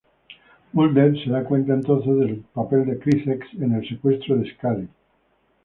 Mulder se da cuenta entonces del papel de Krycek en el secuestro de Scully.